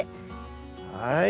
はい。